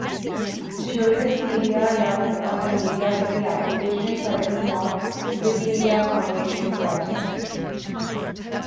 JurisPedia runs on the MediaWiki application, but it is not a Wikimedia Foundation project.